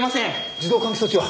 自動換気装置は？